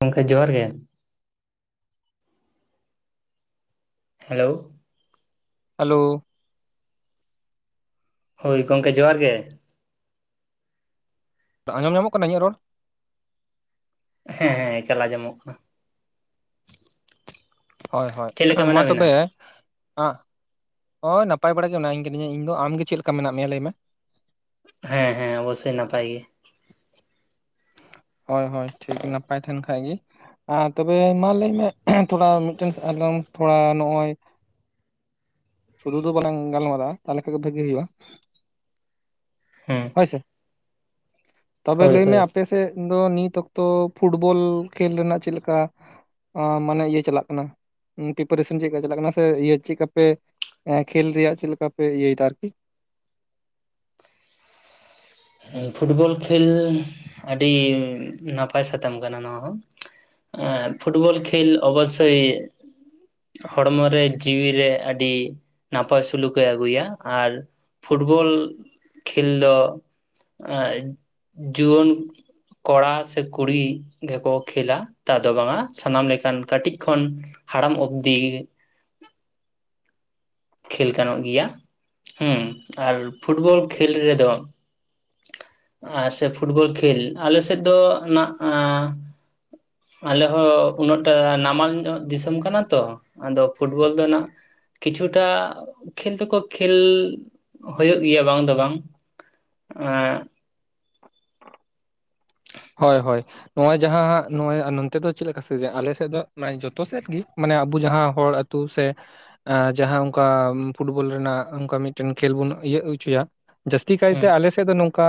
ᱜᱚᱝᱠᱮ ᱡᱚᱦᱟᱨ ᱜᱮ ᱦᱮᱞᱳ, ᱦᱮᱞᱳ, ᱦᱳᱭ ᱜᱚᱝᱠᱮ ᱡᱚᱦᱟᱨ ᱜᱮ। ᱟᱸᱡᱚᱢ ᱧᱟᱢᱚᱜ ᱠᱟᱱᱟ ᱤᱧᱟᱹᱜ ᱨᱚᱲ? ᱦᱮᱸ ᱦᱮᱸ ᱮᱠᱟᱞ ᱟᱸᱧᱡᱚᱢᱚᱜ ᱠᱟᱱᱟ। ᱦᱳᱭ ᱦᱳᱭ ᱪᱮᱫ ᱞᱮᱠᱟ ᱢᱟ ᱢᱮᱱᱟᱜ ᱵᱤᱱᱟ ᱛᱚᱵᱮ ᱟᱸᱜ ᱦᱳᱭ ᱱᱟᱯᱟᱭ ᱵᱟᱲᱟ ᱜᱮ ᱢᱮᱱᱟᱧ ᱠᱟᱹᱫᱤᱧᱟ ᱤᱧᱫᱚ ᱟᱢᱜᱮ ᱪᱮᱫ ᱞᱮᱠᱟ ᱢᱮᱱᱟᱜ ᱢᱮᱭᱟ ᱞᱟᱹᱭ ᱢᱮ? ᱦᱮᱸ ᱦᱮᱸ ᱚᱵᱚᱥᱳᱭ ᱱᱟᱯᱟᱭ ᱜᱮ। ᱦᱳᱭ ᱦᱳᱭ ᱴᱷᱤᱠ ᱱᱟᱯᱟᱭ ᱛᱟᱦᱮᱱ ᱠᱷᱟᱡ ᱜᱮ ᱟᱨ ᱛᱚᱵᱮ ᱢᱟ ᱞᱟᱹᱭ ᱢᱮ? ᱛᱷᱚᱲᱟ ᱢᱤᱫᱴᱮᱱᱥ ᱟᱞᱚᱢ ᱛᱷᱚᱲᱟ ᱱᱚᱜ-ᱚᱭ ᱥᱩᱫᱷᱩ ᱫᱚ ᱵᱟᱞᱟᱝ ᱜᱟᱞᱢᱟᱨᱟᱜᱼᱟ ᱛᱟᱦᱚᱞᱮ ᱠᱷᱟᱡ ᱫᱚ ᱵᱷᱟᱹᱜᱤ ᱦᱩᱭᱩᱜᱼᱟ। ᱦᱮᱸ ᱦᱳᱭᱥᱮ ᱛᱚᱵᱮ ᱦᱳᱭ ᱞᱟᱹᱭ ᱢᱮ ᱦᱳᱭ ᱟᱯᱮ ᱛᱮᱫ ᱱᱤᱛ ᱚᱠᱛᱚ ᱯᱷᱩᱴᱵᱚᱞ ᱠᱷᱮᱞ ᱫᱚᱦᱼᱱᱟᱜ ᱪᱮᱫ ᱞᱮᱠᱟ? ᱚ ᱢᱟᱱᱮ ᱤᱭᱟᱹ ᱪᱟᱞᱟᱜ ᱠᱟᱱᱟ ᱯᱤᱯᱟᱨᱮᱥᱟᱱ ᱪᱮᱫ ᱞᱮᱠᱟ ᱪᱟᱞᱟᱜ ᱠᱟᱱᱟ ᱥᱮ ᱤᱭᱟᱹ ᱪᱮᱫ ᱠᱟᱯᱮ ᱮᱸ ᱠᱷᱮᱞ ᱨᱮᱭᱟᱜ ᱪᱮᱞᱠᱟ ᱯᱮ ᱤᱭᱟᱹᱭᱮᱫᱟ ᱟᱨᱠᱤ ᱯᱷᱩᱴᱵᱚᱞ ᱠᱷᱮᱞ ᱟᱹᱰᱤ ᱱᱟᱯᱟᱭ ᱥᱟᱛᱟᱢ ᱠᱟᱱᱟ ᱱᱚᱣᱟ ᱦᱚᱸ ᱮᱸᱻ ᱯᱷᱩᱴᱵᱚᱞ ᱠᱷᱮᱞ ᱚᱵᱚᱥᱚᱭ ᱦᱚᱲᱢᱚᱨᱮ ᱡᱤᱣᱤᱨᱮ ᱟᱹᱰᱤ ᱱᱟᱯᱟᱭ ᱥᱩᱞᱩᱠᱮ ᱟᱹᱜᱩᱭᱟ ᱟᱨ ᱯᱷᱩᱴᱵᱚᱞ ᱠᱷᱮᱞ ᱫᱚ ᱟ [inaudible] ᱡᱩᱣᱟᱹᱱ ᱠᱚᱲᱟ ᱥᱮ ᱠᱩᱲᱤ ᱜᱮᱠᱚ ᱠᱷᱮᱞᱟ ᱛᱟ ᱫᱚ ᱵᱟᱝᱟ ᱾ ᱥᱟᱱᱟᱢ ᱞᱮᱠᱟᱱ ᱠᱟᱹᱴᱤᱡ ᱠᱷᱚᱱ ᱦᱟᱲᱟᱢ ᱚᱵᱽᱫᱤ ᱠᱷᱮᱞ ᱜᱟᱱᱚᱜ ᱜᱮᱭᱟ [inaudible] ᱦᱩᱸ ᱟᱨ ᱯᱷᱩᱴᱵᱚᱞ ᱠᱷᱮᱞ ᱨᱮᱫᱚ [inaudible] ᱟᱨ ᱥᱮ ᱯᱷᱩᱴᱵᱚᱞ ᱠᱷᱮᱞ ᱟᱞᱮ ᱥᱮᱫ ᱫᱚ ᱱᱟᱸᱜ ᱟᱸ ᱟᱞᱮ ᱦᱚᱸ ᱩᱱᱟᱹᱜ ᱴᱟᱜ ᱱᱟᱢᱟᱞ ᱧᱚᱜ ᱫᱤᱥᱚᱢ ᱠᱟᱱᱟ ᱛᱚ ᱾ ᱟᱫᱚ ᱯᱷᱩᱴᱵᱚᱞ ᱫᱚ ᱩᱱᱟᱹᱜ [unintelligible] ᱠᱷᱮᱞ ᱫᱚᱠᱚ ᱠᱷᱮᱞ [inaudible] ᱦᱩᱭᱩᱜ ᱜᱮᱭᱟ ᱵᱟᱝ ᱫᱚ ᱵᱟᱝ ᱾ ᱟᱸᱻ ᱦᱳᱭ ᱦᱳᱭ ᱾ ᱱᱚᱜ-ᱚᱭ ᱡᱟᱦᱟᱸ ᱱᱚᱜᱚᱭ ᱱᱚᱱᱛᱮ ᱫᱚ ᱪᱮᱫ ᱞᱮᱠᱟ [unintelligible] ᱟᱞᱮ ᱥᱮᱫ ᱫᱚ ᱢᱟᱱᱮ ᱡᱚᱛᱚ ᱥᱮᱫ ᱜᱮ, ᱢᱟᱱᱮ ᱟᱵᱚ ᱡᱟᱦᱟᱸ ᱦᱚᱲ ᱛᱩ ᱥᱮ ᱮᱸᱻ ᱡᱟᱦᱟᱸ ᱚᱱᱠᱟ ᱯᱷᱩᱴᱵᱚᱞ ᱨᱮᱱᱟᱜ ᱚᱱᱠᱟ ᱢᱤᱫᱴᱟᱝ ᱠᱷᱮᱞ ᱵᱚᱱ ᱤᱭᱟᱹᱜ ᱚᱪᱚᱭᱟ ᱾ ᱡᱟᱹᱥᱛᱤ ᱠᱟᱭᱛᱮ ᱟᱞᱮ ᱥᱮᱫ ᱫᱚ ᱱᱚᱝᱠᱟ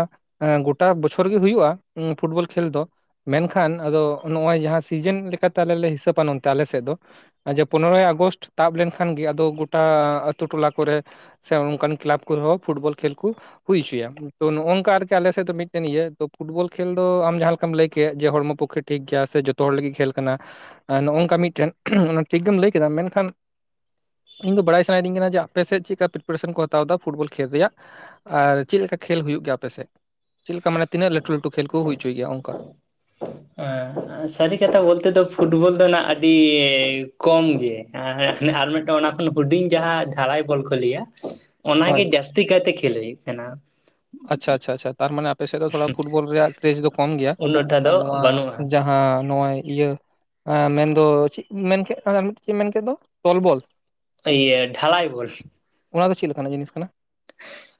ᱜᱚᱴᱟ ᱵᱚᱪᱷᱚᱨ ᱜᱮ ᱦᱩᱭᱩᱜ-ᱟ ᱯᱷᱩᱴᱵᱚᱞ ᱠᱷᱮᱞ ᱫᱚ ᱾ ᱢᱮᱱᱠᱷᱟᱱ ᱟᱫᱚ ᱱᱚᱜ-ᱚᱭ ᱡᱟᱦᱟᱸ ᱥᱤᱡᱤᱱ ᱞᱮᱠᱟᱛᱮ ᱟᱞᱮ ᱞᱮ ᱦᱤᱥᱟᱹᱵᱽᱟ ᱱᱚᱛᱮ ᱟᱞᱮ ᱥᱮᱫ ᱫᱚ ᱡᱮ ᱯᱚᱱᱨᱚᱭ ᱟᱜᱚᱥᱴ ᱛᱟᱵ ᱞᱮᱱᱠᱷᱟᱱ ᱜᱮ ᱟᱫᱚ ᱜᱳᱴᱟ ᱟᱹᱛᱩ ᱴᱚᱞᱟ ᱠᱚᱨᱮ ᱥᱮ ᱚᱱᱠᱟᱱ ᱠᱮᱞᱟᱵᱽ ᱠᱚᱨᱮ ᱦᱚᱸ ᱯᱷᱩᱴᱵᱚᱞ ᱠᱷᱮᱞ ᱠᱚ ᱦᱩᱭ ᱦᱚᱪᱚᱭᱟ ᱾ ᱛᱚ ᱱᱚᱜ-ᱚᱭ ᱱᱚᱝᱠᱟ ᱟᱨᱠᱤ ᱟᱞᱮᱥᱮᱫ ᱫᱚ ᱢᱤᱫᱴᱟᱝ ᱤᱭᱟᱹ ᱯᱷᱩᱴᱵᱚᱞ ᱠᱷᱮ ᱠᱷᱮᱞ ᱫᱚ ᱟᱢ ᱡᱟᱦᱟᱸ ᱞᱮᱠᱟᱢ ᱞᱟᱹᱭ ᱠᱮᱫ ᱡᱮ ᱦᱚᱲᱢᱚ ᱯᱚᱠᱠᱷᱮ ᱴᱷᱤᱠ ᱜᱮᱭᱟ ᱥᱮ ᱡᱚᱛᱚ ᱦᱚᱲ ᱞᱟᱹᱜᱤᱫ ᱠᱷᱮᱞ ᱠᱟᱱᱟ ᱾ ᱱᱚᱜ-ᱚᱭ ᱱᱚᱝᱠᱟ ᱢᱤᱫᱴᱟᱝ ᱚᱱᱟ ᱴᱷᱤᱠ ᱜᱮᱢ ᱞᱟᱹᱭ ᱠᱮᱫᱟ, ᱢᱮᱱᱠᱷᱟᱱ ᱤᱧ ᱫᱚ ᱵᱟᱲᱟᱭ ᱥᱟᱱᱟᱭᱮᱫᱤᱧ ᱠᱟᱱᱟ ᱡᱮ ᱟᱯᱮ ᱥᱮᱫ ᱪᱮᱫ ᱠᱟ ᱯᱨᱤᱯᱟᱨᱮᱥᱚᱱ ᱠᱚ ᱦᱟᱛᱟᱣ ᱮᱫᱟ ᱯᱷᱩᱴᱵᱚᱞ ᱠᱷᱮᱞ ᱨᱮᱭᱟᱜ ᱾ ᱟᱨ ᱪᱮᱫ ᱞᱮᱠᱟ ᱠᱷᱮᱞ ᱦᱩᱭᱩᱜ ᱜᱮᱭᱟ ᱟᱯᱮ ᱥᱮᱫ? [inaudible] ᱪᱮᱫ ᱞᱮᱠᱟ ᱢᱟᱱᱮ ᱛᱤᱱᱟᱹᱜ ᱞᱟᱹᱴᱩ ᱞᱟᱹᱴᱩ ᱠᱷᱮᱞ ᱠᱚ ᱦᱩᱭ ᱦᱚᱪᱚᱭ ᱜᱮᱭᱟ ᱚᱱᱠᱟ ᱾ ᱮᱸ ᱥᱟᱹᱨᱤ ᱠᱟᱛᱷᱟ ᱵᱚᱞᱛᱮ ᱫᱚ ᱯᱷᱩᱴᱵᱚᱞ ᱫᱚ ᱱᱟᱜ ᱟᱹᱰᱤ ᱠᱚᱢ ᱜᱮ᱾ ᱮᱸ ᱦᱮᱸ ᱟᱨ ᱢᱤᱫᱴᱟᱝ ᱚᱱᱟ ᱠᱷᱚᱱ ᱦᱩᱰᱤᱧ ᱡᱟᱦᱟᱸ ᱰᱷᱟᱞᱟᱭ ᱵᱚᱞ ᱠᱚ ᱞᱟᱹᱭᱟ ᱚᱱᱟᱜᱮ ᱦᱳᱭ ᱡᱟᱹᱥᱛᱤ ᱠᱟᱭᱛᱮ ᱠᱷᱮᱞ ᱦᱩᱭᱩᱜ ᱠᱟᱱᱟ ᱾ ᱟᱪᱪᱷᱟ ᱟᱪᱪᱷᱟ ᱟᱪᱪᱷᱟ ᱾ ᱛᱟᱨᱢᱟᱱᱮ ᱟᱯᱮ ᱥᱮᱫ ᱫᱚ ᱛᱷᱚᱲᱟ ᱯᱷᱩᱴᱵᱚᱞ ᱨᱮᱭᱟᱜ ᱠᱨᱤᱡ ᱫᱚ ᱠᱚᱢ ᱜᱮᱭᱟ ᱩᱱᱟᱹᱜ ᱾ ᱴᱟ [inaudible] ᱫᱚ ᱟᱨ ᱱᱚᱣᱟ ᱵᱟᱹᱱᱩᱜᱼᱟ ᱡᱟ ᱦᱟᱸ ᱱᱚᱜ-ᱚᱭ ᱤᱭᱟᱹ ᱮᱸ ᱢᱮᱱᱫᱚ ᱪᱮᱫ ᱢᱮᱱᱠᱮᱫ [unintelligible] ᱪᱮᱫ ᱮᱢ ᱢᱮᱱ ᱠᱮᱫ ᱫᱚ ᱛᱚᱞᱵᱚᱞ? ᱤᱭᱟᱹ ᱰᱷᱟᱞᱟᱭ ᱵᱚᱞ ᱾ ᱚᱱᱟ ᱫᱚ ᱪᱮᱫ ᱞᱮᱠᱟᱱᱟᱜ ᱡᱤᱱᱤᱥ ᱠᱟᱱᱟ?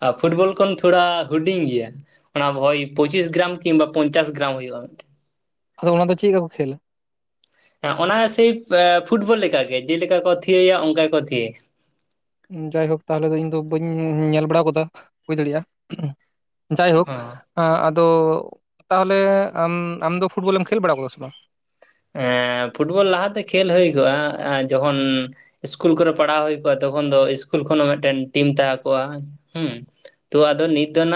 ᱟᱨ ᱯᱷᱩᱴᱵᱚᱞ ᱠᱷᱚᱱ ᱛᱷᱚᱲᱟ ᱦᱩᱰᱤᱧ ᱜᱮᱭᱟ᱾ ᱚᱱᱟ ᱦᱚᱭ ᱯᱚᱸᱪᱤᱥ ᱜᱨᱟᱢ ᱠᱤᱢᱵᱟ ᱯᱚᱧᱪᱟᱥ ᱜᱨᱟᱢ ᱦᱩᱭᱩᱜ-ᱟ ᱢᱤᱫᱴᱮᱱ᱾ ᱟᱫᱚ ᱚᱱᱟ ᱫᱚ ᱪᱮᱫᱠᱟ ᱠᱚ ᱠᱷᱮᱞᱟ? ᱦᱮᱸ ᱚᱱᱟ ᱥᱮᱭ ᱯᱷᱩᱴᱵᱚᱞ ᱞᱮᱠᱟ ᱜᱮ ᱡᱮᱞᱮᱠᱟ ᱠᱚ ᱛᱷᱤᱭᱟᱹᱭᱟ ᱚᱱᱠᱟ ᱜᱮᱠᱚ ᱛᱷᱤᱭᱟᱹᱭᱟ ᱾ ᱡᱟᱭᱦᱳᱠ ᱛᱟᱦᱞᱮ ᱫᱚ ᱤᱧ ᱫᱚ ᱵᱟᱹᱧ ᱧᱮᱞ ᱵᱟᱲᱟ ᱟᱠᱟᱫᱟ ᱦᱩᱭ ᱫᱟᱲᱮᱭᱟᱜ-ᱟ᱾ ᱡᱟᱭᱦᱳᱠ᱾ ᱦᱚᱸ ᱟ ᱟᱫᱚ ᱛᱟᱦᱚᱞᱮ ᱟᱢ ᱟᱢᱫᱚ ᱯᱷᱩᱴᱵᱚᱞᱮᱢ ᱠᱷᱮᱞ ᱵᱟᱲᱟ ᱟᱠᱟᱫᱟ ᱥᱮ ᱵᱟᱝ? ᱮᱸᱻ ᱯᱷᱩᱴᱵᱚᱞ ᱞᱟᱦᱟᱛᱮ ᱠᱷᱮᱞ ᱦᱩᱭ ᱠᱚᱜ-ᱟ ᱡᱚᱠᱷᱚᱱ ᱤᱥᱠᱩᱞ ᱠᱚᱨᱮ ᱯᱟᱲᱦᱟᱣ ᱦᱩᱭ ᱠᱚᱜ-ᱟ ᱛᱚᱠᱷᱚᱱ ᱫᱚ ᱤᱥᱠᱩᱞ ᱠᱷᱚᱱ ᱦᱚᱸ ᱢᱤᱫᱴᱮᱱ ᱴᱤᱢ ᱛᱟᱦᱮᱸ ᱠᱚᱜ-ᱟ ᱦᱩᱸ ᱾ ᱛᱚ ᱟᱫᱚ ᱱᱤᱛ ᱫᱚ ᱦᱟᱸᱜ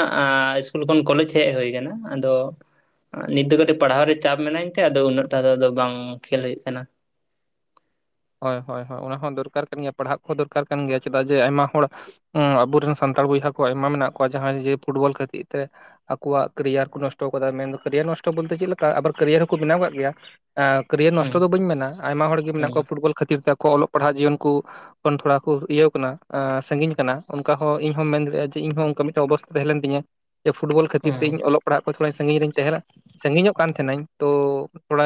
ᱤᱥᱠᱩᱞ ᱠᱷᱚᱱ ᱠᱚᱞᱮᱡᱽ ᱦᱮᱡ ᱦᱩᱭ ᱟᱠᱟᱱᱟ ᱾ ᱟᱫᱚ ᱱᱤᱛ ᱫᱚ ᱠᱟᱹᱴᱤᱡ ᱯᱟᱲᱦᱟᱣ ᱨᱮ ᱪᱟᱯ ᱢᱤᱱᱟᱧ ᱛᱮ ᱟᱫᱚ ᱩᱱᱟᱹᱜ ᱴᱟᱜ ᱫᱚ ᱟᱫᱚ ᱵᱟᱝ ᱠᱷᱮᱹᱞ ᱦᱩᱭᱩᱜ ᱠᱟᱱᱟ᱾ ᱦᱳᱭ ᱦᱳᱭ ᱦᱳᱭ ᱾ ᱚᱱᱟ ᱦᱚᱸ ᱫᱚᱨᱠᱟᱨ ᱠᱟᱱ ᱜᱮᱭᱟ ᱯᱟᱲᱦᱟᱜ ᱠᱚᱦᱚᱸ ᱫᱚᱨᱠᱟᱨ ᱠᱟᱱ ᱜᱮᱭᱟ, ᱪᱮᱫᱟᱜ ᱡᱮ ᱟᱭᱢᱟ ᱦᱚᱲ ᱦᱩᱸ ᱟᱵᱚᱨᱮᱱ ᱥᱟᱱᱛᱟᱲ ᱵᱚᱭᱦᱟ ᱠᱚ ᱟᱭᱢᱟ ᱢᱮᱱᱟᱜ ᱠᱚᱣᱟ ᱡᱟᱦᱟᱸᱭ ᱡᱮ ᱯᱷᱩᱴᱵᱚᱞ ᱠᱷᱟᱹᱛᱤᱜ ᱛᱮ ᱟᱠᱚᱣᱟᱜ ᱠᱮᱨᱤᱭᱟᱨ ᱠᱚ ᱱᱚᱥᱴᱚ ᱟᱠᱟᱫᱟ ᱾ ᱢᱮᱱᱫᱚ ᱠᱮᱨᱤᱭᱟᱨ ᱱᱚᱥᱴᱚ ᱵᱚᱞᱛᱮ ᱪᱮᱫ ᱞᱮᱠᱟ ᱟᱵᱟᱨ ᱠᱮᱨᱤᱭᱟᱨ ᱦᱚᱸᱠᱚ ᱵᱮᱱᱟᱣ ᱟᱠᱟᱫ ᱜᱮᱭᱟ ᱾ ᱠᱮᱨᱤᱭᱟᱨ ᱦᱩᱸ ᱱᱚᱥᱴᱚ ᱫᱚ ᱵᱟᱹᱧ ᱢᱮᱱᱟ ᱾ ᱟᱭᱢᱟ ᱦᱚᱲᱜᱮ ᱢᱮᱱᱟᱜ ᱦᱩᱸ ᱠᱚᱣᱟ ᱯᱷᱩᱴᱵᱚᱞ ᱠᱷᱟᱹᱛᱤᱨ ᱛᱮ ᱟᱠᱚ ᱚᱞᱚᱜ ᱯᱟᱲᱦᱟᱜ ᱡᱤᱭᱚᱱ ᱠᱚ ᱠᱷᱚᱱ ᱛᱷᱚᱲᱟ ᱠᱚ ᱤᱭᱟᱹᱣ ᱠᱟᱱᱟ ᱟ ᱥᱟᱺᱜᱤᱧ ᱠᱟᱱᱟ ᱚᱱᱠᱟ ᱦᱚᱸ ᱤᱧᱦᱚᱢ ᱢᱮᱱ ᱫᱟᱲᱮᱭᱟᱜ-ᱟ ᱡᱮ ᱤᱧᱦᱚᱸ ᱚᱱᱠᱟ ᱢᱤᱫᱴᱟᱝ ᱚᱵᱚᱥᱛᱟ ᱛᱟᱦᱮᱸ ᱞᱮᱱ ᱛᱤᱧᱟ ᱾ ᱡᱮ ᱯᱷᱩᱴᱵᱚᱞ ᱠᱷᱟᱹᱛᱤᱨ ᱛᱮ ᱦᱩᱸ ᱤᱧ ᱚᱞᱚᱜ ᱯᱟᱲᱦᱟᱜ ᱠᱷᱚᱡ ᱛᱷᱚᱲᱟ ᱥᱟᱺᱜᱤᱧ ᱨᱤᱧ ᱛᱟᱦᱮᱱᱟ᱾ ᱥᱟᱺᱜᱤᱧ-ᱚᱜ ᱠᱟᱱ ᱛᱟᱦᱮᱱ-ᱟᱹᱧ ᱛᱚ ᱛᱷᱚᱲᱟ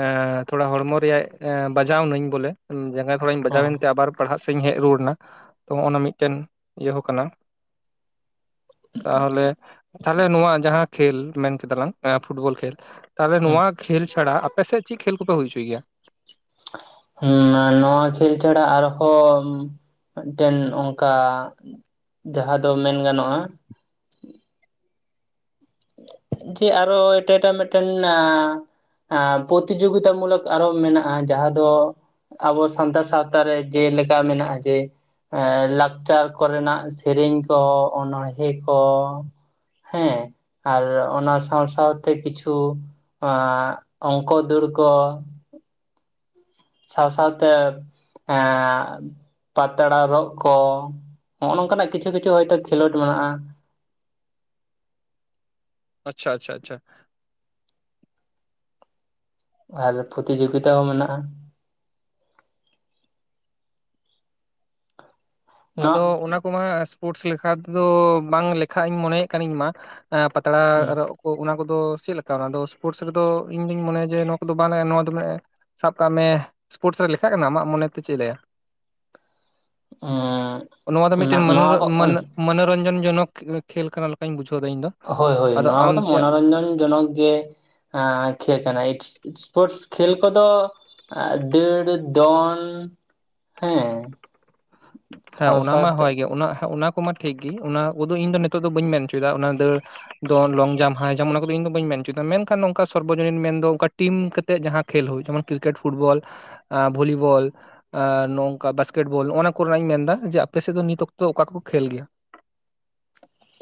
ᱮ ᱛᱷᱚᱲᱟ ᱦᱚᱲᱢᱚ ᱨᱮᱭᱟᱜ ᱮ ᱵᱟᱡᱟᱣ ᱱᱟᱹᱧ ᱵᱚᱞᱮ ᱡᱟᱸᱜᱟ ᱛᱷᱚᱲᱟᱧ ᱵᱟᱡᱟᱣ ᱮᱱᱛᱮ ᱟᱵᱟᱨ ᱯᱟᱲᱦᱟᱜ ᱥᱮᱫ ᱤᱧ ᱦᱮᱡ ᱨᱩᱣᱟᱹᱲ ᱮᱱᱟ ᱛᱚ ᱚᱱᱟ ᱢᱤᱫᱴᱮᱱ ᱤᱭᱟᱹ ᱦᱚᱸ ᱠᱟᱱᱟ᱾ ᱛᱟᱦᱚᱞᱮ ᱛᱟᱦᱞᱮ ᱱᱚᱣᱟ ᱡᱟᱦᱟᱸ ᱠᱷᱮᱞ ᱢᱮᱱ ᱠᱮᱫᱟᱞᱟᱝ ᱯᱷᱩᱴᱵᱚᱞ ᱠᱷᱮᱞ᱾ ᱛᱟᱦᱚᱞᱮ ᱦᱩᱸ ᱱᱚᱣᱟ ᱠᱷᱮᱞ ᱪᱷᱟᱲᱟ ᱟᱯᱮ ᱥᱮᱫ ᱪᱮᱫ ᱠᱷᱮᱞ ᱠᱚᱯᱮ ᱦᱩᱭ ᱦᱚᱪᱚᱭ ᱜᱮᱭᱟ? ᱦᱩᱸ ᱱᱚᱣᱟ ᱠᱷᱮᱞ ᱪᱷᱟᱲᱟ ᱟᱨᱠᱚ ᱢᱤᱫᱴᱮᱱ ᱚᱱᱠᱟ ᱡᱟᱦᱟᱸ ᱫᱚ ᱢᱮᱱ ᱜᱟᱱᱚᱜ-ᱟ᱾ ᱡᱮ ᱟᱨᱚ ᱮᱴᱟ ᱮᱴᱟᱜ ᱢᱤᱫᱴᱮᱱ ᱟᱻ ᱯᱨᱚᱛᱤ ᱡᱳᱜᱤᱛᱟ ᱢᱩᱞᱚᱠ ᱟᱨᱚ ᱢᱮᱱᱟᱜ-ᱟ ᱡᱟᱦᱟᱸ ᱫᱚ ᱟᱵᱚ ᱥᱟᱱᱛᱟᱲ ᱥᱟᱶᱛᱟ ᱨᱮ ᱡᱮᱞᱮᱠᱟ ᱢᱮᱱᱟᱜ-ᱟ ᱡᱮ ᱮ ᱞᱟᱠᱪᱟᱨ ᱠᱚᱨᱮ ᱱᱟᱜ ᱥᱮᱨᱮᱧ ᱠᱚ, ᱚᱱᱚᱬᱦᱮᱸ ᱠᱚ᱾ ᱦᱮᱸ ᱟᱨ ᱚᱱᱟ ᱥᱟᱶ-ᱥᱟᱶᱛᱮ ᱠᱤᱪᱷᱩ ᱚᱝᱠᱚ ᱫᱟᱹᱲ ᱠᱚ᱾ ᱥᱟᱶ-ᱥᱟᱶᱛᱮ ᱮᱻ ᱯᱟᱛᱲᱟ ᱨᱚᱜ ᱠᱚ ᱱᱚᱜ-ᱚ ᱱᱚᱝᱠᱟ ᱱᱟᱜ ᱠᱤᱪᱷᱩ ᱠᱤᱪᱷᱩ ᱦᱳᱭ ᱛᱳ ᱠᱷᱮᱞᱳᱰ ᱢᱮᱱᱟᱜ-ᱟ᱾ ᱟᱪᱴᱪᱷᱟ ᱟᱪᱷᱟ ᱟᱪᱷᱟ᱾ ᱟᱨ ᱯᱨᱚᱛᱤ ᱡᱳᱜᱤᱛᱟ ᱦᱚᱸ ᱢᱮᱱᱟᱜ-ᱟ᱾ ᱟᱫᱚ ᱚᱱᱟ ᱠᱚ ᱢᱟ ᱥᱯᱳᱨᱴᱥ ᱞᱮᱠᱷᱟ ᱛᱮᱫᱚ ᱵᱟᱝ ᱞᱮᱠᱷᱟ ᱤᱧ ᱢᱚᱱᱮᱭ ᱮᱫ ᱠᱟᱱᱤᱧ ᱤᱧ ᱢᱟ᱾ ᱮ ᱯᱟᱛᱲᱟ ᱱᱚᱣᱟ ᱨᱚᱜ ᱚᱱᱟ ᱠᱚᱫᱚ ᱪᱮᱫ ᱞᱮᱠᱟ ᱚᱱᱟ ᱥᱯᱳᱨᱴᱥ ᱨᱮᱫᱚ ᱤᱧ ᱫᱩᱧ ᱢᱚᱱᱮᱭᱟ ᱡᱮ ᱱᱚᱣᱟ ᱠᱚᱫᱚ ᱵᱟᱝ ᱱᱚᱣᱟ ᱫᱚᱞᱮ ᱥᱟᱵ ᱠᱟᱜ ᱢᱮ ᱥᱯᱳᱨᱴᱥ ᱨᱮ ᱞᱮᱠᱷᱟᱜ ᱠᱟᱱᱟ ᱟᱢᱟᱜ ᱢᱚᱱᱮ ᱛᱮ ᱪᱮᱫ ᱮ ᱞᱟᱹᱭᱟ? ᱩᱸ ᱱᱚᱣᱟ ᱫᱚ ᱢᱤᱫᱴᱮᱱ ᱢᱚᱱᱚ ᱢᱚᱱᱚ ᱢᱚᱱᱚᱨᱚᱧᱡᱚᱱ ᱡᱚᱱᱚᱠ ᱠᱷᱮᱞ ᱠᱟᱱᱟ ᱞᱮᱠᱟᱧ ᱵᱩᱡᱷᱟᱹᱣ ᱮᱫᱟ ᱤᱧ ᱫᱚ᱾ ᱦᱳᱭ ᱦᱳᱭ ᱟᱫᱚ ᱱᱚᱣᱟ ᱢᱟᱛᱚ ᱟᱢ ᱪᱮᱫ ᱢᱚᱱᱚᱨᱚᱧᱡᱚᱱ ᱡᱚᱱᱚᱠ ᱜᱮ᱾ ᱟᱸᱻ ᱠᱷᱮ ᱠᱟᱱᱟ ᱮᱥᱠ ᱥᱯᱳᱨᱴᱥ ᱠᱷᱮᱞ ᱠᱚᱫᱚ ᱟᱨ ᱫᱟᱹᱲ, ᱫᱚᱱ ᱦᱮᱸ᱾ ᱦᱮᱸ ᱥᱟᱶ ᱚᱱᱟ ᱢᱟ ᱥᱟᱶᱛᱮ ᱦᱳᱭ ᱜᱮ ᱚᱱᱟ ᱠᱚᱢᱟ ᱴᱷᱤᱠ ᱜᱮ ᱚᱱᱟ ᱠᱚᱫᱚ ᱤᱧ ᱫᱚ ᱱᱤᱛᱚᱜ ᱫᱚ ᱵᱟᱹᱧ ᱢᱮᱱ ᱦᱚᱪᱚᱭ ᱮᱫᱟ ᱚᱱᱟ ᱫᱟᱹᱲ ᱫᱚᱱ, ᱞᱚᱝ ᱡᱟᱢᱯ, ᱦᱟᱭ ᱡᱟᱢᱯ ᱚᱱᱟ ᱠᱚᱫᱚ ᱤᱧ ᱫᱚ ᱵᱟᱹᱧ ᱢᱮᱱᱪᱚᱭ ᱫᱟ᱾ ᱢᱮᱱᱠᱷᱟᱱ ᱱᱚᱝᱠᱟ ᱥᱚᱨᱵᱚᱡᱚᱱᱤᱱ ᱢᱮᱱ ᱫᱚ ᱚᱱᱠᱟ ᱴᱤᱢ ᱠᱟ- ᱛᱮ ᱡᱟᱦᱟᱸ ᱠᱷᱮᱞ ᱦᱩᱭ ᱛᱮᱢᱚᱱ ᱠᱨᱤᱠᱮᱴ, ᱯᱷᱩᱴᱵᱚᱞ᱾ ᱟᱸ ᱵᱷᱚᱞᱤᱵᱚᱞ ᱟᱸ ᱱᱚᱝᱠᱟ ᱵᱟᱥᱠᱮᱴ ᱵᱳᱞ ᱱᱚᱜ ᱱᱚᱣᱟ ᱠᱚᱨᱮᱱᱟᱜ ᱤᱧ ᱢᱮᱱ- ᱫᱟ ᱡᱮ ᱟᱯᱮ ᱥᱮᱫ ᱫᱚ ᱱᱤᱛ ᱚᱠᱛᱚ ᱚᱠᱟ ᱠᱚᱠᱚ ᱠᱷᱮᱞ ᱜᱮᱭᱟ?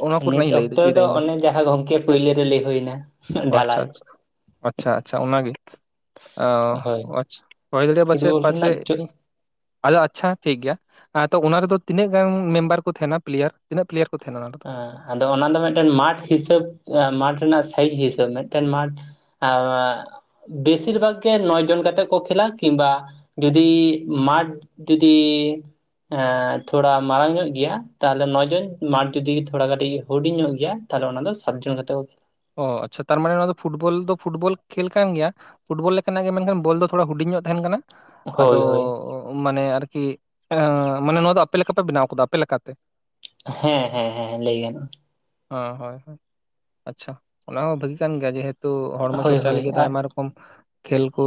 ᱚᱱᱟ ᱱᱤᱛ ᱠᱚᱨᱮᱱᱟᱜ ᱤᱧ ᱞᱟᱹᱭ ᱚᱠᱛᱚ ᱦᱚᱪᱚᱭᱮᱫᱟ ᱫᱚ ᱤᱧ ᱚᱱᱮ ᱡᱟᱦᱟᱸ ᱜᱚᱢᱠᱮ ᱯᱳᱭᱞᱳ ᱨᱮ ᱞᱟᱹᱭ ᱦᱳᱭ ᱮᱱᱟ ᱰᱷᱟᱞᱟᱭ᱾ ᱟᱪᱷᱟ ᱟᱪᱷᱟ ᱚᱱᱟ ᱜᱮ ᱦᱳᱭ ᱚ ᱟᱪᱷᱟ ᱦᱳᱭ ᱫᱟᱲᱮᱭᱟᱜ-ᱟ ᱯᱟᱪᱮᱫ, ᱯᱷᱩᱴᱵᱚᱞ ᱨᱮᱱᱟᱜ ᱯᱟᱪᱮᱫ ᱟᱫᱚ ᱟᱪᱷᱟ ᱴᱷᱤᱠ ᱜᱮᱭᱟ᱾ ᱟᱸ ᱛᱚ ᱚᱱᱟ ᱨᱮᱫᱚ ᱛᱤᱱᱟᱹᱜ ᱜᱟᱱ ᱢᱮᱢᱵᱟᱨ ᱠᱚ ᱛᱟᱦᱮᱱᱟ ᱯᱞᱤᱭᱟᱨ ᱛᱤᱱᱟᱹᱜ ᱯᱞᱤᱭᱟᱨ ᱠᱚ ᱛᱟᱦᱮᱱᱟ ᱚᱱᱟ ᱨᱮᱫᱚ? ᱟᱫᱚ ᱚᱱᱟ ᱫᱚ ᱢᱮᱫᱴᱮᱱ ᱢᱟᱴᱷ ᱦᱤᱥᱟᱹᱵᱽ ᱢᱟᱴᱷ ᱨᱮᱱᱟᱜ ᱥᱟᱭᱤᱡᱽ ᱦᱤᱥᱟᱹᱵᱽ ᱢᱮᱫᱴᱮᱱ ᱢᱟᱴᱷ ᱵᱮᱥᱤᱨ ᱵᱷᱟᱜᱽ ᱜᱮ ᱱᱚᱭ ᱡᱚᱱ ᱠᱟᱛᱮᱜ ᱠᱚ ᱠᱷᱮᱞᱟ, ᱠᱤᱢᱵᱟ ᱡᱩᱫᱤ ᱢᱟᱴ ᱡᱩᱫᱤ ᱮᱸᱻ ᱛᱷᱚᱲᱟ ᱢᱟᱨᱟᱝ ᱧᱚᱜ ᱜᱮᱭᱟ ᱛᱟᱦᱚᱞᱮ ᱱᱚ ᱡᱚᱱ ᱢᱟᱴ- ᱡᱩᱫᱤ ᱛᱷᱚᱲᱟ ᱠᱟᱹᱴᱤᱡ ᱦᱩᱰᱤᱝ ᱧᱚᱜ ᱜᱮᱭᱟ ᱛᱟᱦᱚᱞᱮ ᱚᱱᱟ ᱫᱚ ᱥᱟᱛ ᱡᱚᱱ ᱠᱟᱛᱮᱜ ᱠᱚ᱾ ᱚ ᱟᱪᱷᱟ ᱛᱟᱨ ᱢᱟᱱᱮ ᱱᱚᱣᱟ ᱫᱚ ᱯᱷᱩᱴᱵᱚᱞ ᱫᱚ ᱯᱷᱩᱴᱵᱚᱞ ᱠᱷᱮᱞ ᱠᱟᱱ ᱜᱮᱭᱟ᱾ ᱯᱷᱩᱴᱵᱚᱞ ᱞᱮᱠᱟ ᱱᱟᱜ ᱜᱮ ᱢᱮᱱᱠᱷᱟᱱ ᱵᱳᱞ ᱫᱚ ᱛᱷᱚᱲᱟ ᱦᱩᱰᱤᱧ ᱧᱚᱜ ᱛᱟᱦᱮᱱ ᱠᱟᱱᱟ᱾ ᱠᱷᱮᱞᱟ᱾ ᱟᱫᱚ ᱦᱳᱭ ᱦᱳᱭ ᱢᱟᱱᱮ ᱟᱨᱠᱤ ᱮᱚ ᱢᱟᱱᱮ ᱱᱚᱣᱟ ᱫᱚ ᱟᱯᱮ ᱞᱮᱠᱟ ᱯᱮ ᱵᱮᱱᱟᱣ ᱠᱟᱫᱟ ᱟᱯᱮ ᱞᱮᱠᱟ ᱛᱮ᱾ ᱦᱮᱸ ᱦᱮᱸ ᱦᱮᱸ ᱞᱮᱜᱤᱱ᱾ ᱚᱸ ᱦᱳᱭ ᱦᱳᱭ ᱟᱪᱪᱷᱟ ᱚᱱᱟ ᱦᱚᱸ ᱵᱷᱟᱜᱤ ᱠᱟᱱ ᱜᱮᱭᱟ ᱡᱮᱦᱮᱛᱩ ᱦᱚᱲᱢᱚ ᱦᱳᱭ ᱪᱚᱨᱪᱟ ᱦᱳᱭ ᱞᱟᱹᱜᱤᱫ ᱫᱚ ᱟᱭᱢᱟ ᱨᱚ ᱠᱚᱢ ᱠᱷᱮᱞ ᱠᱩ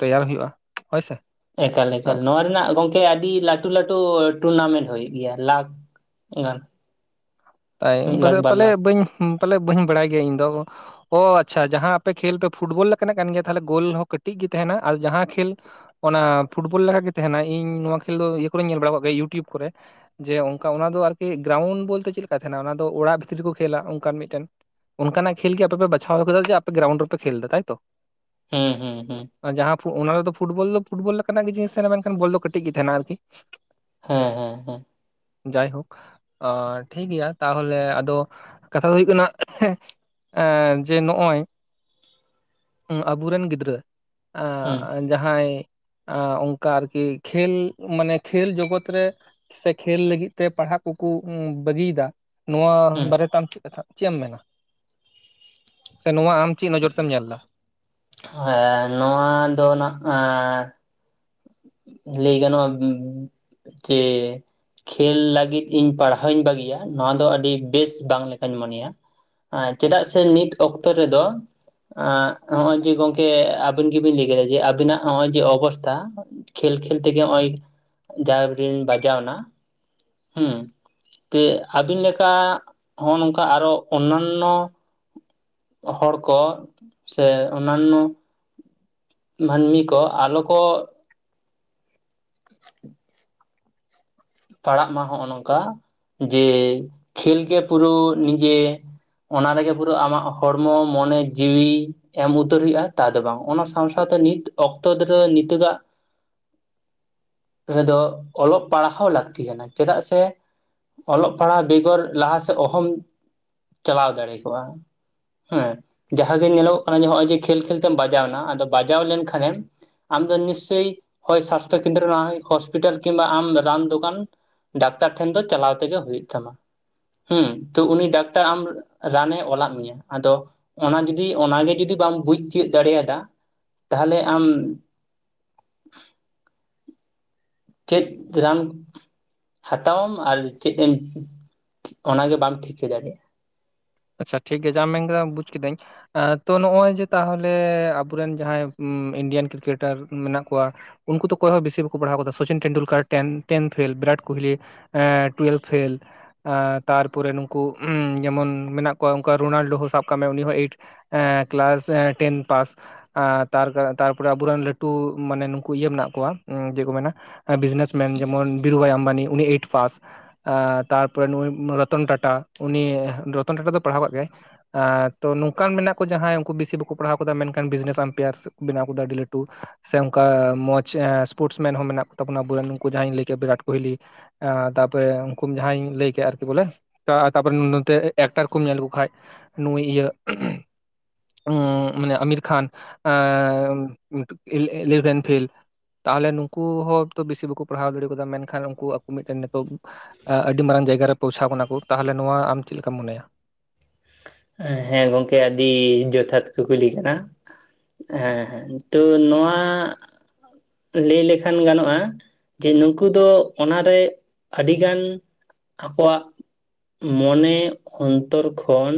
ᱛᱮᱭᱟᱨ ᱦᱩᱭᱩᱜᱼᱟ ᱦᱳᱭ ᱥᱮ ᱾ ᱮᱠᱟᱞ ᱮᱠᱟᱞ ᱱᱚᱣᱟ ᱨᱮᱱᱟᱜ ᱜᱚᱢ ᱡᱮ ᱟᱰᱤ ᱞᱟᱴᱩ ᱞᱟᱴᱩ ᱴᱩᱨᱱᱟᱢᱮᱱᱴ ᱦᱩᱭᱩᱜ ᱜᱮᱭᱟ ᱞᱟᱠᱷ ᱜᱟᱱ᱾ ᱛᱟᱭ ᱢᱤᱫ ᱞᱟᱠᱷ ᱯᱟᱥᱮᱫ ᱵᱟᱨ ᱯᱟᱞᱮ ᱞᱟᱠᱷ ᱵᱟᱹᱧ ᱯᱟᱞᱮ ᱵᱟᱹᱧ ᱵᱟᱲᱟᱭ ᱜᱤᱭᱟ ᱤᱧᱫᱚ᱾ ᱚ ᱟᱪᱪᱷᱟ ᱡᱟᱦᱟᱸ ᱟᱯᱮ ᱠᱷᱮᱞ ᱫᱚ ᱯᱷᱩᱴᱵᱚᱞ ᱞᱮᱠᱟᱱᱟᱜ ᱠᱟᱱ ᱜᱮᱭᱟ ᱛᱟᱦᱞᱮ ᱜᱳᱞ ᱦᱚᱸ ᱠᱟᱹᱴᱤᱡ ᱜᱤ ᱛᱟᱦᱮᱱᱟ ᱟᱨ ᱡᱟᱦᱟᱸ ᱠᱷᱮᱞᱼᱼ ᱚᱱᱟ ᱯᱷᱩᱴᱵᱚᱞ ᱞᱮᱠᱟᱜᱮ ᱛᱟᱦᱮᱱᱟ ᱤᱧ ᱱᱚᱣᱟ ᱠᱷᱮᱞ ᱫᱚ ᱤᱭᱟᱹ ᱠᱚᱨᱮᱧ ᱧᱮᱞ ᱵᱟᱲᱟᱣ ᱠᱟᱜ ᱜᱮ ᱤᱭᱩᱴᱩᱭᱩᱵᱽ ᱠᱚᱨᱮ᱾ ᱡᱮ ᱚᱱᱠᱟ ᱚᱱᱟ ᱫᱚ ᱟᱨᱠᱤ ᱜᱨᱟᱣᱩᱱᱰ ᱵᱚᱞᱛᱮ ᱪᱮᱫᱞᱮᱠᱟᱭ ᱛᱟᱦᱮᱸᱱᱟ ᱚᱱᱟ ᱫᱚ ᱚᱲᱟᱜ ᱵᱷᱤᱛᱨᱤ ᱨᱮᱠᱚ ᱠᱷᱮᱞᱟ ᱚᱱᱠᱟᱱ ᱢᱤᱫᱴᱮᱱ ᱚᱱᱠᱟᱱᱟᱜ ᱠᱷᱮᱞ ᱜᱮ ᱟᱯᱮ ᱯᱮ ᱵᱟᱪᱷᱟᱣ ᱟᱠᱟᱫᱟ ᱡᱮ ᱟᱯᱮ ᱜᱨᱟᱣᱩᱱᱰ ᱨᱮᱯᱮ ᱠᱷᱮᱞ ᱫᱟ ᱛᱟᱭᱛᱚ? ᱦᱩᱸ ᱦᱩᱸ ᱦᱩᱸ᱾ ᱟᱸ ᱡᱟᱦᱟᱸ ᱯᱷᱩ ᱚᱱᱟ ᱨᱮᱫᱚ ᱯᱷᱩᱴᱵᱚᱞ ᱫᱚ ᱯᱷᱩᱴᱵᱚᱞ ᱞᱮᱠᱟᱱᱟᱜ ᱜᱤ ᱡᱤᱱᱤᱥ ᱛᱟᱦᱮᱱᱟ ᱢᱮᱱᱠᱷᱟᱱ ᱵᱚᱞ ᱫᱚ ᱠᱟᱹᱴᱤᱡ ᱜᱤ ᱛᱟᱦᱮᱱᱟ ᱟᱨᱠᱤ᱾ ᱦᱮᱸ ᱦᱮᱸ ᱦᱮᱸ᱾ ᱡᱟᱭᱦᱳᱠ ᱟᱨ ᱴᱷᱤᱠ ᱜᱮᱭᱟ ᱛᱟᱦᱚᱞᱮ ᱟᱫᱚ ᱠᱟᱛᱷᱟ ᱫᱚ ᱦᱩᱭᱩᱜ ᱠᱟᱱᱟ ᱮᱸ ᱡᱮ ᱱᱚᱜᱼᱚᱭ ᱟᱵᱩᱨᱮᱱ ᱜᱤᱫᱽᱨᱟᱹᱼᱼ ᱦᱩᱸ ᱟᱸ ᱡᱟᱦᱟᱸᱭ ᱟᱸ ᱚᱱᱠᱟ ᱟᱨᱠᱤ ᱠᱷᱮᱞ ᱢᱟᱱᱮ ᱠᱷᱮᱞ ᱡᱚᱜᱚᱛ ᱨᱮ ᱥᱮ ᱠᱷᱮᱞ ᱞᱟᱹᱜᱤᱫ ᱛᱮ ᱯᱟᱲᱦᱟᱜ ᱠᱩᱠᱩ ᱩᱸ ᱵᱟᱹᱜᱤᱭᱫᱟ ᱱᱚᱣᱟ ᱦᱩᱸ ᱵᱟᱨᱮᱛᱮ ᱟᱢ ᱪᱮᱫ ᱠᱟᱛᱷᱟ ᱪᱮᱫ ᱮᱢ ᱢᱮᱱᱟ? ᱥᱮ ᱱᱚᱣᱟ ᱟᱢ ᱪᱤᱜ ᱱᱚᱡᱚᱨ ᱛᱮᱢ ᱧᱮᱞ ᱫᱟ? ᱦᱚᱭ ᱱᱚᱣᱟ ᱫᱚ ᱱᱟᱜᱼᱮᱸᱻ ᱞᱟᱹᱭ ᱜᱟᱱᱚᱜᱼᱟ ᱡᱮ ᱠᱷᱮᱞ ᱞᱟᱜᱤᱫ ᱤᱧ ᱯᱟᱲᱦᱟᱣ ᱤᱧ ᱵᱟᱹᱜᱤᱭᱟ ᱱᱚᱣᱟ ᱫᱚ ᱟᱹᱰᱤ ᱵᱮᱥ ᱵᱟᱝ ᱞᱮᱠᱟᱧ ᱢᱚᱱᱮᱭᱟ᱾ ᱟᱸ ᱪᱮᱫᱟᱜ ᱥᱮ ᱱᱤᱛ ᱚᱠᱛᱚ ᱨᱮᱫᱚᱼᱼ ᱟᱸᱜ ᱱᱚᱜᱼᱚᱭ ᱡᱮ ᱜᱚᱝᱠᱮ ᱟᱵᱮᱱ ᱜᱮᱵᱤᱱ ᱞᱟᱹᱭ ᱠᱮᱫᱟ ᱡᱮ ᱟᱵᱤᱱᱟᱜ ᱱᱚᱜᱼᱚᱭ ᱡᱮ ᱚᱵᱚᱥᱛᱷᱟ ᱠᱷᱮᱞ ᱠᱷᱮᱞ ᱛᱮᱜᱮ ᱦᱚᱜ-ᱚᱭ ᱡᱟᱝᱨᱮᱵᱤᱱ ᱵᱟᱡᱟᱣᱱᱟ ᱦᱩᱸᱛᱟᱹ ᱟᱹᱵᱤᱱ ᱞᱮᱠᱟ ᱦᱚᱸᱜ-ᱱᱚᱝᱠᱟ ᱟᱨᱚ ᱚᱱᱱᱟᱱᱚ ᱦᱚᱲ ᱠᱚ ᱥᱮ ᱚᱱᱱᱟᱱᱚ ᱢᱟᱱᱢᱤ ᱠᱚ ᱟᱞᱚ ᱠᱚ ᱯᱟᱲᱟᱜ ᱢᱟ ᱦᱚᱜᱼᱚᱸ ᱱᱚᱝᱠᱟ ᱡᱮ ᱠᱷᱮᱞ ᱜᱮ ᱯᱩᱨᱟᱹ ᱱᱤᱡᱮ ᱚᱱᱟ ᱨᱮᱜᱮ ᱯᱩᱨᱟᱹ ᱟᱢᱟᱜ ᱦᱚᱲᱢᱚ ᱢᱚᱱᱮ ᱡᱤᱣᱤ ᱮᱢ ᱩᱛᱟᱹᱨ ᱦᱩᱭᱩᱜᱼᱟ ᱛᱟ ᱫᱚ ᱵᱟᱝ ᱚᱱᱟ ᱥᱟᱶ ᱥᱟᱶᱛᱮ ᱱᱤᱛ ᱚᱠᱛᱚ ᱫᱷᱚᱨᱟᱹ ᱱᱤᱛᱚᱜᱟᱜ ᱨᱮᱫᱚ ᱚᱞᱚᱜ ᱯᱟᱲᱦᱟᱣ ᱞᱟᱠ ᱛᱤ ᱠᱟᱱᱟ ᱪᱮᱫᱟᱜ ᱥᱮ ᱚᱞᱚᱜ ᱯᱟᱲᱦᱟᱜ ᱵᱮᱜᱚᱨ ᱞᱟᱦᱟ ᱥᱮᱫ ᱚᱦᱚᱢ ᱪᱟᱞᱟᱣ ᱫᱟᱲᱮ ᱠᱚᱜᱼᱟ᱾ ᱦᱮᱸ ᱡᱟᱦᱟᱸ ᱜᱮ ᱧᱮᱞᱚᱜᱚᱜ ᱠᱟᱱᱟ ᱦᱚᱜᱼᱚᱭ ᱡᱮ ᱠᱷᱮᱞ ᱠᱷᱮᱞ ᱛᱮᱢ ᱵᱟᱡᱟᱣᱱᱟ ᱟᱫᱚ ᱵᱟᱡᱟᱣ ᱞᱮᱱᱠᱷᱟᱱᱮᱢ ᱟᱢ ᱫᱚ ᱱᱤᱥᱪᱚᱭ ᱦᱚᱭ ᱥᱟᱥᱛᱷᱚ ᱠᱮᱱᱫᱨᱚ ᱱᱟᱦᱚᱭ ᱦᱚᱥᱯᱤᱴᱟᱞ ᱠᱤᱢᱵᱟ ᱟᱢ ᱨᱟᱱ ᱫᱚᱠᱟᱱ ᱰᱟᱠᱛᱟᱨ ᱴᱷᱮᱱ ᱫᱚ ᱪᱟᱞᱟᱣ ᱛᱮᱜᱮ ᱦᱩᱭᱩᱜ ᱛᱟᱢᱟ᱾ ᱦᱩᱸ ᱛᱚ ᱩᱱᱤ ᱰᱟᱠᱛᱟᱨ ᱟᱢ ᱨᱟᱱᱮ ᱚᱞᱟᱜ ᱢᱤᱭᱟ ᱟᱫᱚ ᱚᱱᱟ ᱡᱩᱫᱤ ᱚᱱᱟᱜᱤ ᱡᱩᱫᱤ ᱵᱟᱢ ᱵᱩᱡᱽ ᱛᱤᱭᱩᱜ ᱫᱟᱲᱤᱭᱟᱫᱟ ᱛᱟᱦᱞᱮ ᱟᱢ ᱪᱮᱫ ᱨᱟᱱ ᱦᱟᱛᱟᱣᱟᱢ ᱟᱨ ᱪᱮᱫ ᱮᱢ ᱚᱱᱟᱜᱮ ᱵᱟᱢ ᱴᱷᱤᱠᱟᱹ ᱫᱟᱲᱮᱭᱟᱜᱼᱟ᱾ ᱟᱪᱪᱷᱟ ᱴᱷᱤᱠ ᱜᱮ ᱡᱟᱦᱟᱢ ᱢᱮᱱ ᱠᱟᱫᱟ ᱵᱩᱡ ᱠᱤᱫᱟᱹᱧ ᱟᱨ ᱛᱚ ᱱᱚᱜᱼᱚᱭ ᱡᱮ ᱛᱟᱦᱚᱞᱮ ᱟᱵᱚᱨᱮᱱ ᱡᱟᱦᱟᱸᱭ ᱩᱸ ᱤᱱᱰᱤᱭᱟᱱ ᱠᱨᱤᱠᱮᱴᱟᱨ ᱢᱤᱱᱟᱜ ᱠᱩᱣᱟ ᱩᱱᱠᱩ ᱫᱚ ᱚᱠᱚᱭ ᱦᱚᱸ ᱵᱤᱥᱤ ᱵᱟᱠᱚ ᱯᱟᱲᱦᱟᱣ ᱠᱟᱫᱟ Sachin Tendulkar ten ten fail Virat Kohli ᱮᱸ ᱴᱩᱭᱮᱞᱵᱷ ᱯᱷᱮᱞ ᱛᱟᱨᱯᱚᱨᱮ ᱱᱩᱝᱠᱩ ᱡᱮᱢᱚᱱ ᱢᱮᱱᱟᱜ ᱠᱚᱣᱟ ᱩᱱᱠᱟ ᱨᱳᱱᱟᱞᱰᱳ ᱦᱚᱸ ᱥᱟᱵ ᱠᱟᱜ ᱢᱮ ᱩᱱᱤ ᱦᱚᱸ ᱮᱭᱤᱴ ᱮᱸ ᱠᱞᱟᱥ ᱴᱮᱱ ᱯᱟᱥ᱾ ᱮᱸᱛᱟᱨ ᱛᱟᱨᱯᱚᱨᱮ ᱟᱵᱚᱨᱮᱱ ᱞᱟᱹᱴᱩ ᱢᱟᱱᱮ ᱱᱩᱝᱠᱩ ᱤᱭᱟᱹ ᱢᱮᱱᱟᱜ ᱠᱚᱣᱟ, ᱪᱮᱜ ᱠᱚ ᱢᱮᱱᱟ ᱦᱟᱸ ᱵᱤᱡᱽᱱᱮᱥ ᱢᱮᱱ ᱡᱮᱢᱚᱱ ᱵᱤᱨᱩᱵᱟᱭ ᱟᱢᱵᱟᱱᱤ ᱩᱱᱤ ᱮᱭᱤᱴ ᱯᱟᱥ᱾ ᱮᱸᱛᱟᱨᱯᱚᱨᱮ ᱱᱩᱜ-ᱩᱭ ᱨᱚᱛᱚᱱ ᱴᱟᱴᱟ, ᱩᱱᱤ ᱨᱚᱛᱚᱱ ᱴᱟᱴᱟ ᱫᱚ ᱯᱟᱲᱦᱟᱣ ᱠᱟᱜ ᱜᱮᱭᱟᱭ᱾ ᱮᱸ ᱛᱚ ᱱᱚᱝᱠᱟᱱ ᱢᱮᱱᱟᱜ ᱠᱚ ᱡᱟᱦᱟᱸᱭ ᱩᱱᱠᱩ ᱵᱤᱥᱤ ᱵᱟᱠᱚ ᱯᱟᱲᱦᱟᱣ ᱠᱟᱫᱟ ᱢᱮᱱᱠᱷᱟᱱ ᱵᱤᱡᱽᱱᱮᱥ ᱟᱢᱯᱮᱭᱟᱨ ᱵᱮᱱᱟᱜ ᱠᱟᱫᱟ ᱟᱹᱰᱤ ᱞᱟᱹᱴᱩ᱾ ᱥᱮ ᱚᱱᱠᱟ ᱢᱚᱡᱽ ᱥᱯᱳᱨᱴᱥ ᱢᱮᱱ ᱦᱚᱸ ᱢᱮᱱᱟᱜ ᱠᱚᱛᱟᱵᱚᱱᱟ ᱟᱵᱚᱮᱱ ᱱᱩᱝᱠᱩ ᱡᱟᱦᱟᱸᱧ ᱞᱟᱹᱭ ᱠᱮᱜ ᱵᱤᱨᱤᱟᱴ ᱠᱳᱦᱞᱤ᱾ ᱮᱸ ᱛᱟᱯᱚᱨᱮ ᱩᱱᱠᱩ ᱡᱟᱦᱟᱸᱧ ᱞᱟᱹᱭ ᱠᱮᱫ ᱟᱨᱠᱤ ᱵᱚᱞᱮ ᱛᱟ ᱛᱟᱯᱚᱨᱮ ᱱᱚᱛᱮ ᱮᱠᱴᱟᱨ ᱠᱩᱢ ᱧᱮᱞ ᱞᱮᱠᱚ ᱠᱷᱟᱡ ᱱᱩᱭ ᱤᱭᱟᱹ ᱢᱟᱱᱮ ᱟᱢᱤᱨ ᱠᱷᱟᱱ ᱮᱸᱤ ᱤᱞᱮᱵᱷᱮᱱ ᱯᱷᱮᱞ᱾ ᱛᱟᱦᱚᱞᱮ ᱱᱩᱠᱩ ᱦᱚᱸ ᱛᱚ ᱵᱮᱥᱤ ᱵᱟᱹᱠᱩ ᱯᱟᱲᱦᱟᱣ ᱫᱟᱲᱮ ᱠᱟᱣᱫᱟ ᱢᱮᱱᱠᱷᱟᱱ ᱩᱱᱠᱩ ᱟᱠᱚ ᱢᱤᱫᱴᱮᱱ ᱱᱤᱛᱚᱜ ᱟᱹᱰᱤ ᱢᱟᱨᱟᱝ ᱡᱟᱭᱜᱟᱨᱮ ᱯᱳᱣᱪᱷᱟᱣ ᱠᱟᱱᱟ ᱠᱚ, ᱛᱟᱦᱞᱮ ᱱᱚᱣᱟ ᱟᱢ ᱪᱮᱫ ᱞᱮᱠᱟᱢ ᱢᱚᱱᱮᱭᱟ? ᱦᱮᱸ, ᱜᱚᱝᱠᱮ ᱟᱹᱰᱤ ᱡᱚᱛᱷᱟᱛ ᱠᱩᱠᱞᱤ ᱠᱟᱱᱟ᱾ ᱦᱮᱸ ᱦᱮᱸ, ᱠᱤᱱᱛᱩ ᱱᱚᱣᱟ ᱞᱟᱹᱭ ᱞᱮᱠᱷᱟᱱ ᱜᱟᱱᱚᱜ-ᱟ᱾ ᱡᱮ ᱱᱩᱝᱠᱩ ᱫᱚ ᱚᱱᱟᱨᱮ ᱟᱹᱰᱤᱜᱟᱱ ᱟᱠᱚᱣᱟᱜ᱾ ᱢᱚᱱᱮ ᱚᱱᱛᱚᱨ ᱠᱷᱚᱱ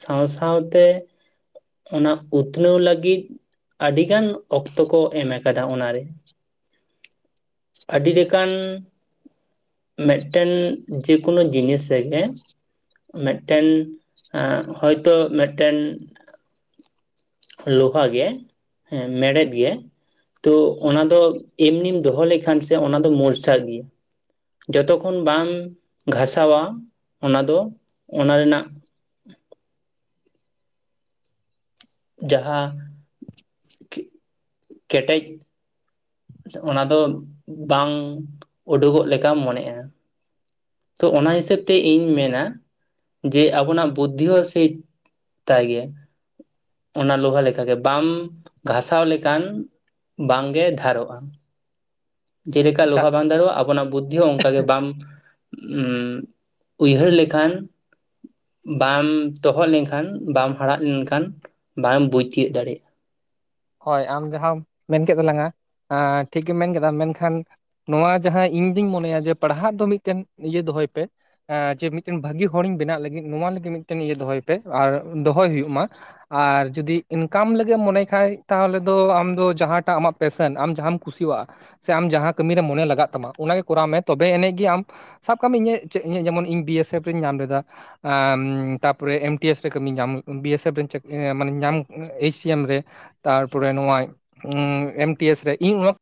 ᱥᱟᱶ ᱥᱟᱶᱛᱮ᱾ ᱚᱱᱟ ᱩᱛᱷᱱᱟᱹᱣ ᱞᱟᱹᱜᱤᱫ ᱟᱰᱤᱜᱟᱱ ᱚᱠᱛᱚ ᱠᱚ ᱮᱢ ᱟᱠᱟᱫᱟ ᱚᱱᱟᱨᱮ᱾ ᱟᱹᱰᱤ ᱞᱮᱠᱟᱱ ᱢᱮᱱᱴᱮᱱ ᱡᱮᱠᱳᱱᱳ ᱡᱤᱱᱤᱥ ᱨᱮᱜᱮ ᱢᱮᱱᱴᱮᱱ ᱦᱳᱭᱛᱚ ᱢᱮᱱᱴᱮᱱ᱾ ᱞᱳᱦᱟ ᱜᱮ ᱦᱮᱸ ᱢᱮᱲᱦᱮᱫ ᱜᱮ᱾ ᱛᱚ ᱚᱱᱟ ᱫᱚ ᱮᱢᱱᱤᱢ ᱫᱚᱦᱚ ᱞᱮᱠᱷᱟᱱ ᱥᱮ ᱚᱱᱟ ᱫᱚ ᱢᱚᱨᱪᱷᱟᱜ ᱜᱮᱭᱟ᱾ ᱡᱚᱛᱚ ᱠᱷᱚᱱ ᱵᱟᱢ ᱜᱷᱟᱥᱟᱣᱟ ᱚᱱᱟ ᱫᱚ ᱚᱱᱟ ᱨᱮᱱᱟᱜ ᱡᱟᱦᱟᱸ ᱠᱮᱴᱮᱡ᱾ ᱚᱱᱟ ᱫᱚ ᱵᱟᱝ ᱳᱰᱳᱠᱚᱜ ᱞᱮᱠᱟᱢ ᱢᱚᱱᱮᱜ-ᱟ᱾ ᱛᱚ ᱚᱱᱟ ᱦᱤᱥᱟᱹᱵ ᱛᱮ ᱤᱧ ᱢᱮᱱᱟ, ᱡᱮ ᱟᱵᱚᱱᱟᱜ ᱵᱩᱫᱽᱫᱷᱤ ᱦᱚᱸ ᱥᱮ ᱛᱟᱭ ᱜᱤᱭᱟ᱾ ᱚᱱᱟ ᱞᱳᱦᱟ ᱞᱮᱠᱟ ᱜᱮ ᱵᱟᱢ ᱜᱷᱟᱥᱟᱣ ᱞᱮᱠᱷᱟᱱ ᱵᱟᱝᱜᱮ ᱫᱷᱟᱨᱚᱜ᱾ ᱡᱮᱞᱮᱠᱟ ᱟᱪᱪᱷᱟ ᱞᱳᱦᱟ ᱵᱟᱝ ᱫᱷᱟᱨᱚᱜ-ᱟ, ᱟᱵᱚᱱᱟᱜ ᱵᱩᱫᱽᱫᱷᱤ ᱦᱚᱸ ᱚᱱᱠᱟ ᱜᱮ ᱵᱟᱢ ᱦᱩᱸ, ᱩᱭᱦᱟᱹᱨ ᱞᱮᱠᱷᱟᱱ ᱵᱟᱢ ᱛᱚᱦᱚᱫ ᱞᱮᱱᱠᱷᱟᱱ ᱵᱟᱢ ᱦᱟᱲᱟᱜ ᱞᱮᱱᱠᱷᱟᱱ ᱵᱟᱢ ᱵᱩᱡᱽ ᱛᱤᱭᱳᱜ ᱫᱟᱲᱮᱭᱟᱜ-ᱟ᱾ ᱦᱳᱭ ᱟᱢ ᱡᱟᱦᱟᱸᱢ ᱢᱮᱱ ᱠᱮᱫ ᱛᱟᱞᱟᱝ-ᱟ, ᱴᱷᱤᱠ ᱜᱮᱢ ᱢᱮᱱ ᱠᱮᱫᱟ ᱢᱮᱱᱠᱷᱟᱱ ᱱᱚᱣᱟ ᱡᱟᱦᱟᱸᱭ ᱤᱧ ᱫᱩᱧ ᱢᱚᱱᱮᱭᱟ ᱡᱮ ᱯᱟᱲᱦᱟᱜ ᱫᱚ ᱢᱤᱫᱴᱮᱱ ᱤᱭᱟᱹ ᱫᱚᱦᱚᱭ ᱯᱮ᱾ ᱡᱮ ᱢᱤᱫᱴᱮᱱ ᱵᱷᱟᱹᱜᱤ ᱦᱚᱲᱤᱧ ᱵᱮᱱᱟᱜ ᱞᱟᱹᱜᱤᱫ ᱱᱚᱣᱟ ᱞᱟᱹᱜᱤᱫ ᱢᱤᱫᱴᱮᱱ ᱤᱭᱟᱹ ᱫᱚᱦᱚᱭ ᱯᱮ ᱟᱨ ᱫᱚᱦᱚᱭ ᱦᱩᱭᱩᱜ ᱢᱟ᱾ ᱟᱨ ᱡᱩᱫᱤ ᱤᱱᱠᱟᱢ ᱞᱟᱹᱜᱤᱫ ᱮᱢ ᱢᱚᱱᱮᱭᱮᱜ ᱠᱷᱟᱡ ᱛᱟᱦᱚᱞᱮ ᱫᱚ ᱟᱢ ᱫᱚ ᱡᱟᱦᱟᱸᱴᱟᱜ ᱟᱢᱟᱜ ᱯᱮᱥᱮᱱ ᱟᱢ ᱡᱟᱦᱟᱸᱟᱢ ᱠᱩᱥᱤᱣᱟᱜ-ᱟ᱾ ᱥᱮ ᱟᱢ ᱡᱟᱦᱟᱸ ᱠᱟᱹᱢᱤᱨᱮ ᱢᱚᱱᱮ ᱞᱟᱜᱟᱜ ᱛᱟᱢᱟ ᱚᱱᱟᱜᱮ ᱠᱚᱨᱟᱣ ᱢᱮ ᱛᱚᱵᱮ ᱮᱱᱮᱡ ᱜᱮ ᱟᱢ ᱥᱟᱵ ᱠᱟᱜ ᱢᱮ ᱤᱧᱟᱹᱜ ᱡᱮᱢᱚᱱ ᱤᱧ ᱵᱤ ᱮᱥ ᱮᱯᱷ ᱤᱧ ᱧᱟᱢ ᱞᱮᱫᱟ᱾ ᱛᱟᱨᱯᱚᱨᱮ ᱮᱢ ᱴᱤ ᱮᱥ ᱨᱮ ᱠᱟᱹᱢᱤ ᱧᱟᱢ ᱵᱤ ᱮᱥ ᱮᱯᱷ ᱨᱮᱧ ᱪᱟᱹᱠᱨᱤ ᱤᱭᱟᱹ ᱢᱟᱱᱮ ᱧᱟᱢ ᱮᱭᱤᱪ ᱥᱤ ᱮᱢ ᱨᱮ᱾ ᱛᱟᱨᱯᱚᱨᱮ ᱱᱚᱣᱟ ᱮᱢ ᱴᱤ ᱮᱥ ᱨᱮ ᱤᱧ ᱚᱣᱟᱠ